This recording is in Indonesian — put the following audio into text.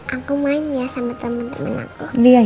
aku main ya sama temen temen aku